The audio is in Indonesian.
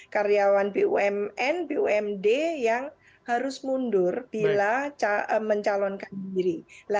karyawan bumn bumd yang harus mundur bila mencalonkan diri